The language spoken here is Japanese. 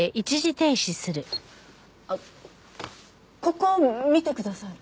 ここ見てください。